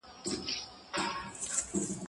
ځینې غواړي تاریخ له خپلي خوښې سره سم جوړ کړی.